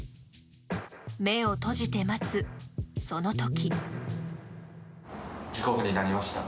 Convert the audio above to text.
目を閉じて待つ、その時。